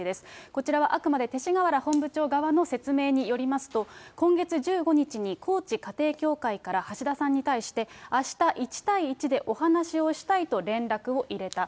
こちらはあくまで勅使河原本部長側の説明によりますと、今月１５日に、高知家庭教会から橋田さんに対して、あした１対１でお話をしたいと連絡を入れた。